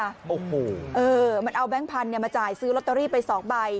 โอ้โหเออมันเอาแบงค์พันธุ์มาจ่ายซื้อลอตเตอรี่ไปสองใบ